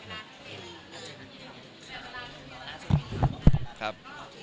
ครับ